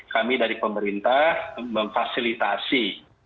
kami dari pemerintah memfasilitasi